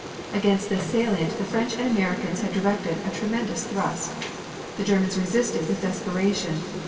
Against this salient the French and Americans had directed a tremendous thrust. The Germans resisted with desperation.